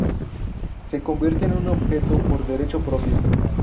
Se convierte en un objeto por derecho propio".